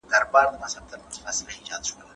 زه پرون د سبا لپاره د تمرينونو ترسره کول کوم وم.